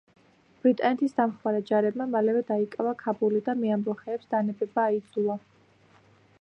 ბრიტანეთის დამხმარე ჯარებმა მალევე დაიკავა ქაბული და მეამბოხეებს დანებება აიძულა.